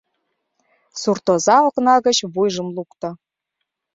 Суртоза окна гыч вуйжым лукто.